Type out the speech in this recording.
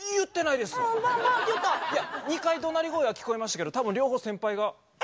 いや２回どなり声は聞こえましたけど多分両方先輩が。え？